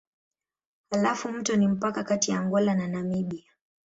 Halafu mto ni mpaka kati ya Angola na Namibia.